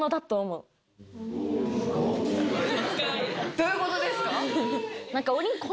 どういうことですか？